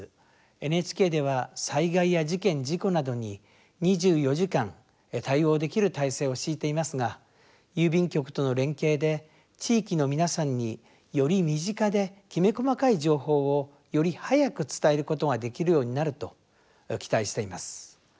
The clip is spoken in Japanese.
ＮＨＫでは災害や事件・事故などに２４時間対応できる体制を敷いていますが郵便局との連携で地域の皆さんに、より身近できめ細かい情報を、より早く伝えることができるようになると期待しています。